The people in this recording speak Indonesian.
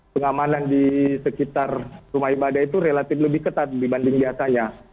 pengamanan di sekitar rumah ibadah itu relatif lebih ketat dibanding biasanya